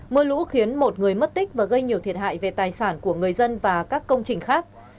mưa lũ khiến một người mất tích và gây nhiều thiệt hại về tài sản của người dân và các công trình khác